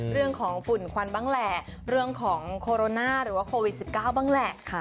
เรื่องของฝุ่นควันบ้างแหละเรื่องของโคโรนาหรือว่าโควิด๑๙บ้างแหละ